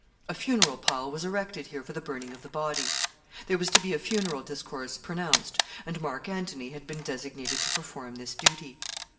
A funeral pile was erected here for the burning of the body There was to be a funeral discourse pronounced, and Marc Antony had been designated to perform this duty.